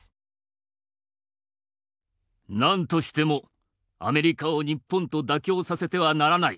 何としてもアメリカを日本と妥協させてはならない。